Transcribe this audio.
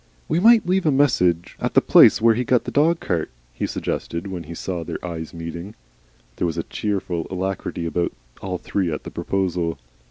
"We might leave a message at the place where he got the dog cart," he suggested, when he saw their eyes meeting. There was a cheerful alacrity about all three at the proposal.